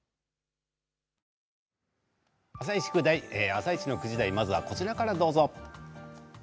「あさイチ」の９時台まずはこちらからです。